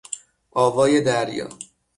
آوای دریا